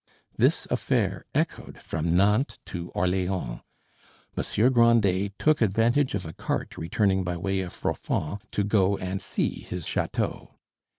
This affair echoed from Nantes to Orleans. Monsieur Grandet took advantage of a cart returning by way of Froidfond to go and see his chateau.